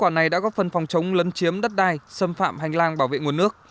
này đã góp phần phòng chống lấn chiếm đất đai xâm phạm hành lang bảo vệ nguồn nước